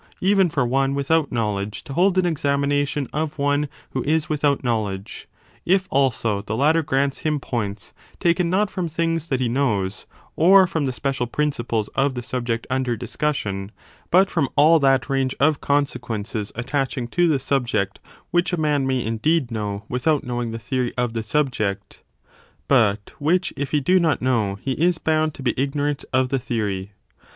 For it is possible even for one without knowledge to hold an examination of one who is without knowledge, if also the latter grants him points 25 taken not from things that he knows or from the special principles of the subject under discussion but from all that range of consequences attaching to the subject which a man may indeed know without knowing the theory of the sub ject, but which if he do not know, he is bound to be ignor ant of the theory.